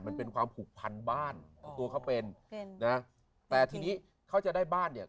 มันเป็นความผูกพันบ้านของตัวเขาเป็นเป็นนะแต่ทีนี้เขาจะได้บ้านเนี่ย